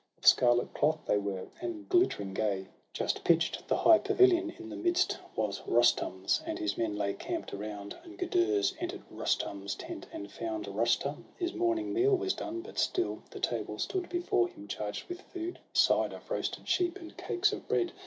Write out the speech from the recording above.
Of scarlet cloth they were, and glittering gay, Just pitch'd; the high pavilion in the midst Was Rustum's, and his men lay camp'd around. And Gudurz enter'd Rustum's tent, and found Rustum ; his morning meal was done, but still The table stood before him, charged with food — A side of roasted sheep, and cakes of bread.